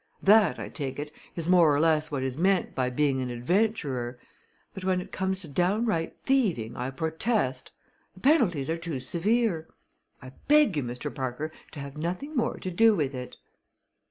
That, I take it, is more or less what is meant by being an adventurer. But when it comes to downright thieving I protest! The penalties are too severe. I beg you, Mr. Parker, to have nothing more to do with it!"